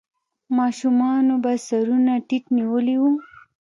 ماشومانو به سرونه ټيټ نيولې وو.